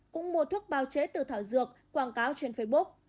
cũng mua thuốc bao chế từ thảo dược quảng cáo trên facebook